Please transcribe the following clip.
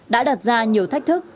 đã đặt ra nhiều thách thức